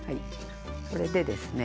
それでですね